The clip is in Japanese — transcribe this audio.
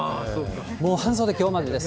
もう半袖きょうまでです。